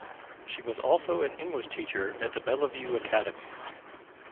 She was also an English teacher at the Bellevue Academy.